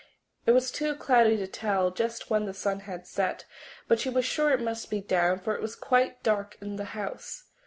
It was too cloudy to tell just when the sun had set, but she was sure it must be down, for it was quite dark in the house.